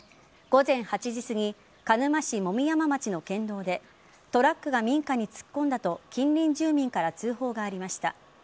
午前８時すぎ鹿沼市樅山町の県道でトラックが民家に突っ込んだと近隣住民から通報がありました。